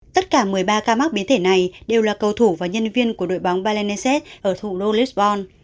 tất cả một mươi ba ca mắc biến thể này đều là cầu thủ và nhân viên của đội bóng balennicef ở thủ đô lisbon